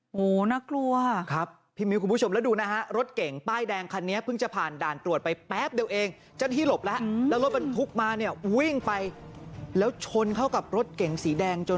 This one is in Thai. โอ้โหน่ากลัวครับพี่มิ้วคุณผู้ชมแล้วดูนะฮะรถเก่งป้ายแดงคันนี้เพิ่งจะผ่านด่านตรวจไปแป๊บเดียวเองเจ้าหน้าที่หลบแล้วแล้วรถบรรทุกมาเนี่ยวิ่งไปแล้วชนเข้ากับรถเก๋งสีแดงจน